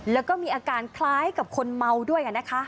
แล้วก็มีอาการคล้ายกับคนเมาด้วยนะคะ